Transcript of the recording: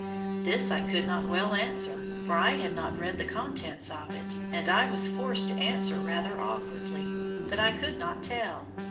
This I could not well answer, for I had not read the contents of it, and I was forced to answer rather awkwardly, that I could not tell.